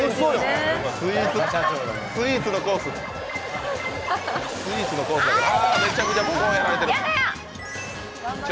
スイーツのコースだから。